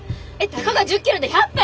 たかが１０ｋｍで１００分！？